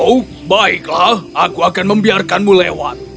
oh baiklah aku akan membiarkanmu lewat